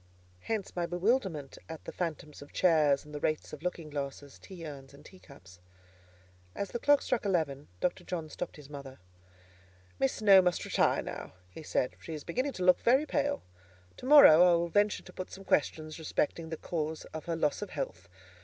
Hence my bewilderment at the phantoms of chairs, and the wraiths of looking glasses, tea urns, and teacups. As the clock struck eleven, Dr. John stopped his mother. "Miss Snowe must retire now," he said; "she is beginning to look very pale. To morrow I will venture to put some questions respecting the cause of her loss of health.